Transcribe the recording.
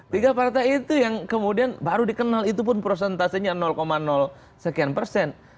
tiga partai itu yang kemudian baru dikenal itu pun prosentasenya sekian persen